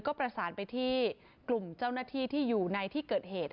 ก็ประสานไปที่กลุ่มเจ้าหน้าที่ที่อยู่ในที่เกิดเหตุ